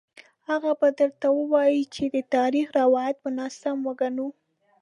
هغه به درته ووايي چې د تاریخ روایت به ناسم وګڼو.